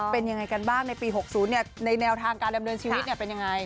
เป็นยังไงกันบ้างในปี๖๐ในแนวฐานการเริ่มเดินชีวิตเป็นอย่างไร